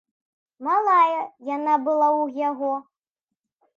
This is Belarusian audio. Малая яна была ў яго.